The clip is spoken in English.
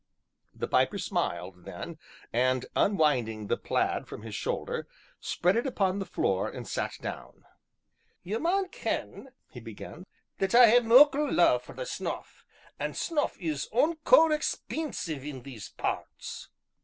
The Piper smiled, then, and, unwinding the plaid from his shoulder, spread it upon the floor, and sat down. "Ye maun ken," he began, "that I hae muckle love for the snuff, an' snuff is unco expenseeve in these parts."